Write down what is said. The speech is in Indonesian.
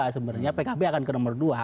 sebenarnya pkb akan ke nomor dua